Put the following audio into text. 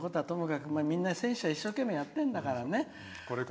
みんな、選手は一生懸命やってんだからね。